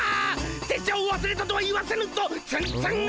拙者をわすれたとは言わせぬぞツンツン頭！